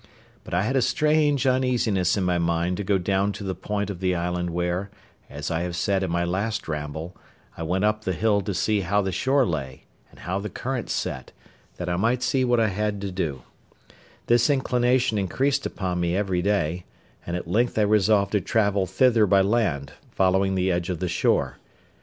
But I had a strange uneasiness in my mind to go down to the point of the island where, as I have said in my last ramble, I went up the hill to see how the shore lay, and how the current set, that I might see what I had to do: this inclination increased upon me every day, and at length I resolved to travel thither by land, following the edge of the shore.